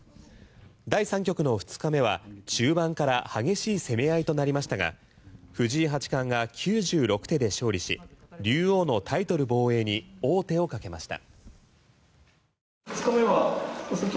第３局の２日目は中盤から激しい攻め合いとなりましたが藤井八冠が９６手で勝利し竜王のタイトル防衛に王手をかけました。